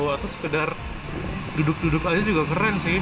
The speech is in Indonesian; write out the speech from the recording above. atau sekedar duduk duduk aja juga keren sih